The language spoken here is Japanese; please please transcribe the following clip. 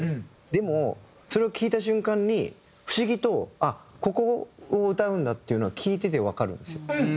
でもそれを聴いた瞬間に不思議とあっここを歌うんだっていうのは聴いててわかるんですよ。